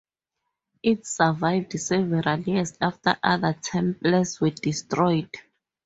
It survived several years after other temples were destroyed.